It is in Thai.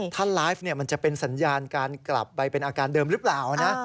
ถ้าไลฟ์มันจะเป็นสัญญาณการกลับไปเป็นอาการเดิมหรือเปล่านะ